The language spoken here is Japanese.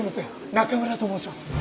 中村と申します。